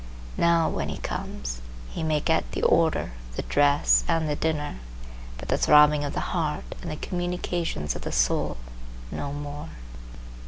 Now, when he comes, he may get the order, the dress and the dinner,—but the throbbing of the heart and the communications of the soul, no more.